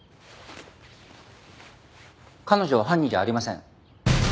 彼女は犯人じゃありません。